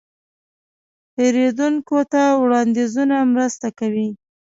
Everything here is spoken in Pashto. پیرودونکي ته وړاندیزونه مرسته کوي.